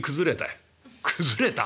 「崩れた？